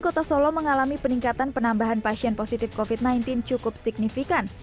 kota solo mengalami peningkatan penambahan pasien positif covid sembilan belas cukup signifikan